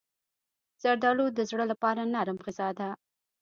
زردالو د زړه لپاره نرم غذا ده.